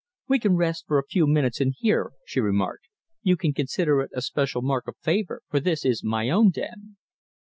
"We can rest for a few minutes in here," she remarked. "You can consider it a special mark of favour, for this is my own den."